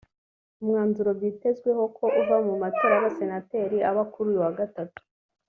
umwanzuro byitezweho ko uva mu matora y’abasenateri aba kuri uyu wa Gatatu